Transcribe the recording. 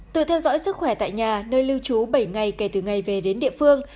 từ theo dõi sức khỏe tại nhà nơi lưu trú bảy ngày kể từ ngày về đến địa phương